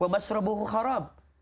mbak surabuhu haram